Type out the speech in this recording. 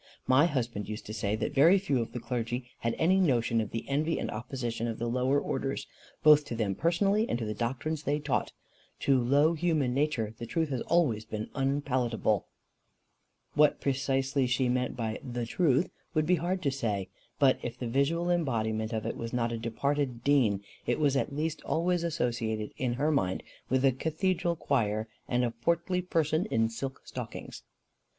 "My husband used to say that very few of the clergy had any notion of the envy and opposition of the lower orders, both to them personally, and to the doctrines they taught. To low human nature the truth has always been unpalatable." What precisely she meant by THE TRUTH it would be hard to say, but if the visual embodiment of it was not a departed dean, it was at least always associated in her mind with a cathedral choir, and a portly person in silk stockings.